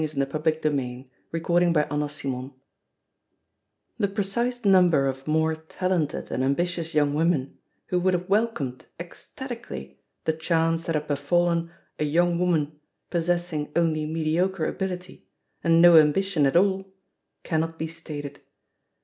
\ N CHAPTER III The precise number of more talented and am bitious young women who would have welcomed ecstatically the chance that had befallen a young woman possessing only mediocre ability, and no ambition at all, cannot be stated.